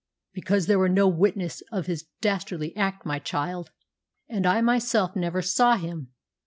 "Because there was no witness of his dastardly act, my child. And I myself never saw him.